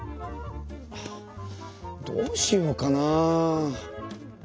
ああどうしようかな？